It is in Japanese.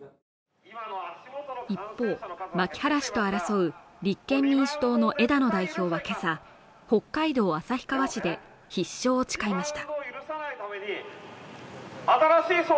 一方牧原氏と争う立憲民主党の枝野代表はけさ北海道旭川市で必勝を誓いました